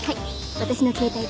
私の携帯です